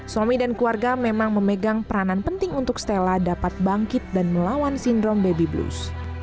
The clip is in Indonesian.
suami dan keluarga memang memegang peranan penting untuk stella dapat bangkit dan melawan sindrom baby blues